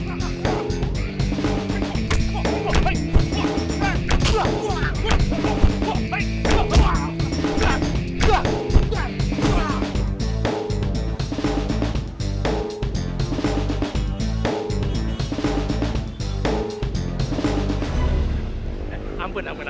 ampun ampun ampun